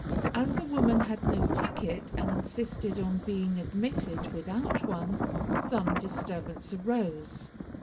As the woman had no ticket, and insisted on being admitted without one, some disturbance arose.